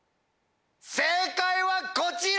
正解はこちら！